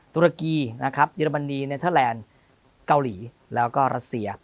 ตุรกีนะครับเยอรมนีเนเทอร์แลนด์เกาหลีแล้วก็รัสเซีย